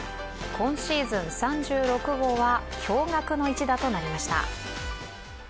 今シーズン３６号は驚がくの一打となりました。